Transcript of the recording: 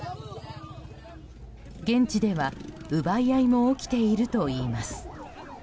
現地では奪い合いも起きているといいます。